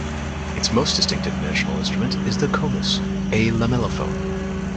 Its most distinctive national instrument is the "khomus", a lamellophone.